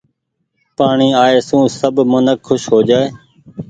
پآڻيٚ آئي سون سب منک کوس هو جآئي ۔